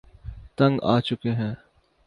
تنگ آچکے ہیں